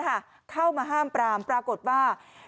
ทางนี้ฮะเข้ามาห้ามปราบปรากฏว่า